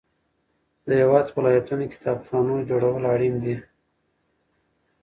د هیواد په ولایتونو کې کتابخانو جوړول اړین دي.